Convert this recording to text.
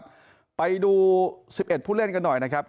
เกมแรกนะครับไปดูสิบเอ็ดผู้เล่นกันหน่อยนะครับ